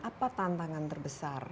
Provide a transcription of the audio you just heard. apa tantangan terbesar